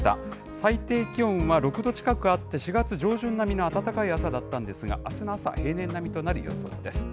最低気温は６度近くあって、４月上旬並みの暖かい朝だったんですが、あすの朝、平年並みとなる予想です。